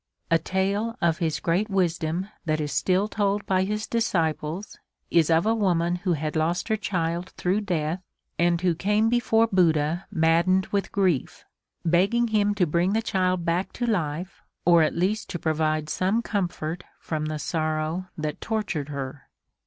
A tale of his great wisdom that is still told by his disciples, is of a woman who had lost her child through Death and who came before Buddha maddened with grief, begging him to bring the child back to life or at least to provide some comfort from the sorrow that tortured her.